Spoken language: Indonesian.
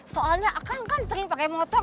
soalnya kang kan sering pakai motor